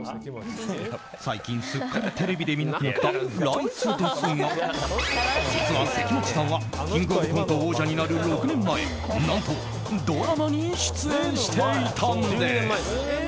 最近すっかりテレビで見なくなったライスですが実は、関町さんは「キングオブコント」王者になる６年前何とドラマに出演していたんです。